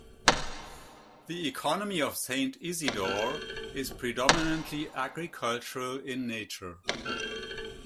The economy of Saint Isidore is predominantly agricultural in nature.